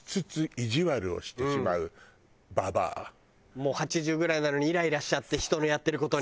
もう８０ぐらいなのにイライラしちゃって人のやってる事に。